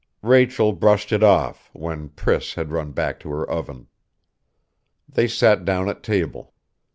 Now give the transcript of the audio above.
Rachel brushed it off, when Priss had run back to her oven. They sat down at table.